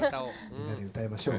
みんなで歌いましょう。